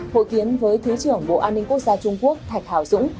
hội tiến với thứ trưởng bộ an ninh quốc gia trung quốc thạch hảo dũng